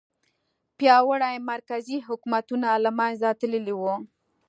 پیاوړي مرکزي حکومتونه له منځه تللي وو.